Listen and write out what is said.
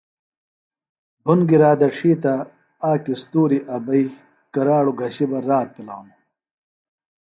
بُھن گِرا دڇھی تہ آک اِستوریۡ ابئی کراڑوۡ گھشیۡ بہ رات پِلانوۡ ہِنوۡ